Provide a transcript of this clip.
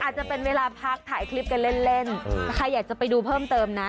อาจจะเป็นเวลาพักถ่ายคลิปกันเล่นเล่นใครอยากจะไปดูเพิ่มเติมนะ